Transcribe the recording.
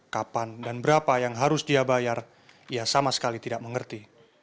kapan dan berapa yang harus dia bayar ia sama sekali tidak mengerti